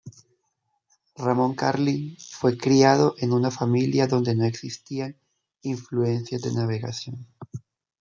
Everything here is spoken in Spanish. Ramón Carlín fue criado en una familia donde no existían influencias de navegación.